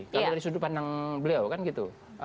kalau dari sudut pandang beliau kan gitu